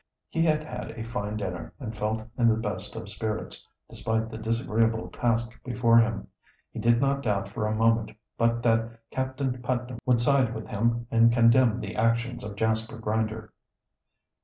He had had a fine dinner, and felt in the best of spirits, despite the disagreeable task before him. He did not doubt for a moment but that Captain Putnam would side with him and condemn the actions of Jasper Grinder.